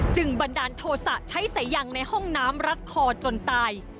บันดาลโทษะใช้สายยางในห้องน้ำรัดคอจนตาย